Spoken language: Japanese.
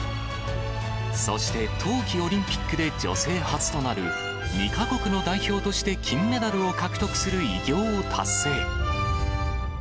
そして、冬季オリンピックで女性初となる、２か国の代表として金メダルを獲得する偉業を達成。